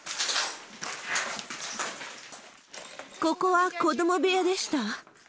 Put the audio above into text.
ここは子ども部屋でした。